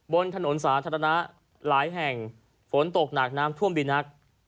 บนถนนสาธารณะหลายแห่งฝนตกหนักน้ำท่วมดีนัก